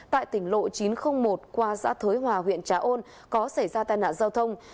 tại tỉnh lộ chín trăm linh một qua xã thới hòa huyện trà ôn có xảy ra tai nạn giao thông